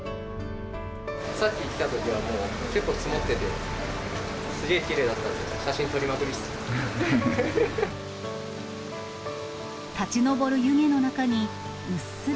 さっき来たときはもう、結構積もってて、すごくきれいだったので、写真撮りまくりですね。